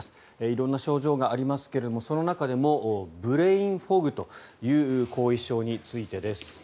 色んな症状がありますがその中でもブレインフォグという後遺症についてです。